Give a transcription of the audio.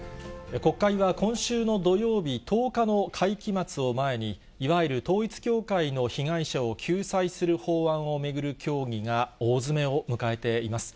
国会は今週の土曜日１０日の会期末を前に、いわゆる統一教会の被害者を救済する法案を巡る協議が大詰めを迎えています。